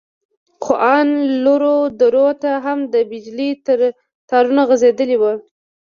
خو ان لرو درو ته هم د بجلي تارونه غځېدلي وو.